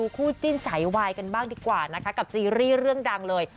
คู่จิ้นสายวายกันบ้างดีกว่านะคะกับซีรีส์เรื่องดังเลย